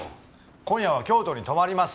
今夜は京都に泊まります。